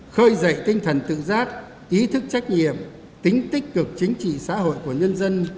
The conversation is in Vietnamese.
khơi dậy tinh thần tự giác ý thức trách nhiệm tính tích cực chính trị xã hội của nhân dân